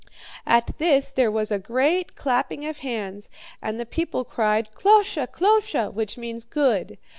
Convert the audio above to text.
"At this there was a great clapping of hands, and the people cried, 'KLOSHE! KLOSHE!' which means 'good.'